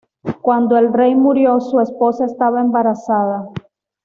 Cuando el rey murió su esposa estaba embarazada.